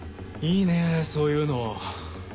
いいねそういうの。